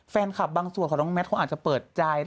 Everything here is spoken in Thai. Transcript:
แฟนคลับบางส่วนของน้องแมทเขาอาจจะเปิดใจ